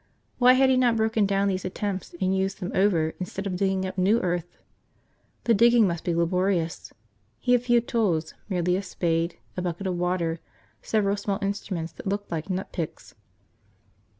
Why had he not broken down these attempts and used them over instead of digging up new earth? The digging must be laborious. He had few tools, merely a spade, a bucket of water, several small instruments that looked like nut picks.